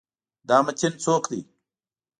دا متین څوک دی؟